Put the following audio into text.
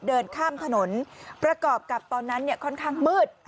เดินข้ามถนนประกอบกับตอนนั้นเนี่ยค่อนข้างมืด